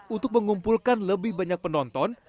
untuk mengumpulkan lebih banyak penonton